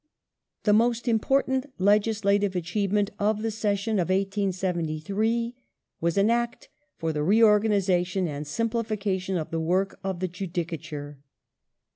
The most important legislative achievement of the session of The Judi 1873 was an Act for the reorganization and simplification of the work ^^^.^ ^3^^ of the Judicature.